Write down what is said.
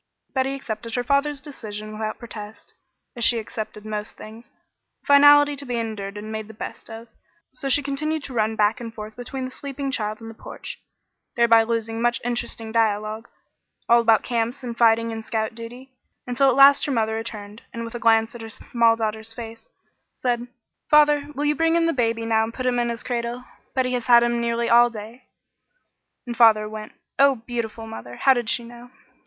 Betty accepted her father's decision without protest, as she accepted most things, a finality to be endured and made the best of, so she continued to run back and forth between the sleeping child and the porch, thereby losing much interesting dialogue, all about camps and fighting and scout duty, until at last her mother returned and with a glance at her small daughter's face said: "Father, will you bring baby in now and put him in his cradle? Betty has had him nearly all day." And father went. Oh, beautiful mother! How did she know!